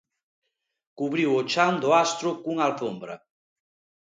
Cubriu o chan do astro cunha alfombra.